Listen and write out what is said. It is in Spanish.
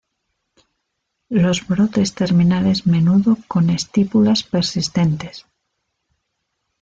Los brotes terminales menudo con estípulas persistentes.